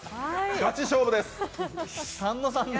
ガチ勝負です！